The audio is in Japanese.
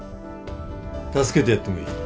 助けてやってもいい。